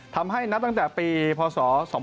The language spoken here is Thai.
ทำให้นับตั้งแต่ปีพศ๒๕๖